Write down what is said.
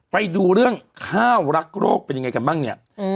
ไปดูเรื่องข้าวรักโรคเป็นยังไงกันบ้างเนี่ย